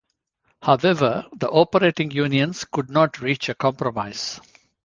However, the operating unions could not reach a compromise.